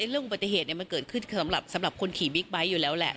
เรื่องอุบัติเหตุมันเกิดขึ้นสำหรับคนขี่บิ๊กไบท์อยู่แล้วแหละ